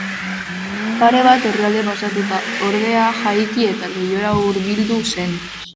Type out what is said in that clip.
Pare bat orrialde pasatuta, ordea, jaiki eta leihora hurbildu zen.